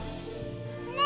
ねえ！